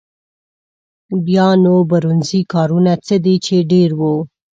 بیا نو برونزي کارونه څه دي چې ډېر وو.